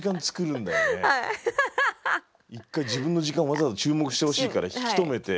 一回自分の時間わざわざ注目してほしいから引き止めて。